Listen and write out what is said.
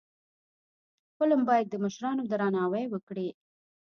فلم باید د مشرانو درناوی وکړي